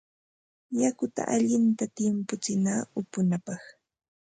Yakuta allinta timputsina upunapaq.